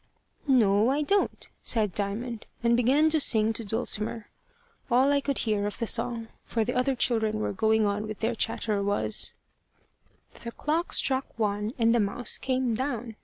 "No, I don't," said Diamond, and began to sing to Dulcimer. All I could hear of the song, for the other children were going on with their chatter, was The clock struck one, And the mouse came down.